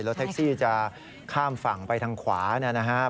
รถแท็กซี่จะข้ามฝั่งไปทางขวานะครับ